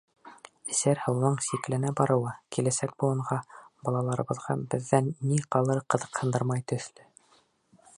Эсәр һыуҙың сикләнә барыуы, киләсәк быуынға, балаларыбыҙға беҙҙән ни ҡалыры ҡыҙыҡһындырмай төҫлө.